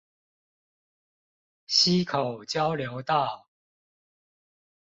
溪口交流道